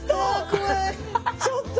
ちょっと！